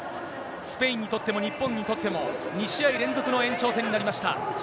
スペインにとっても、日本にとっても、２試合連続の延長戦になりました。